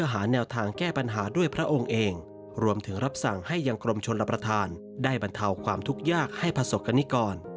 ให้ยังกรมชนรับประทานได้บรรเทาความทุกข์ยากให้ผสกกรณิกร